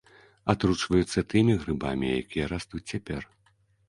Атручваюцца тымі грыбамі, якія растуць цяпер.